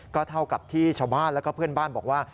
ก็เท่ากับที่ชาวบ้านแล้วก็เพื่อนบ้านบอกว่า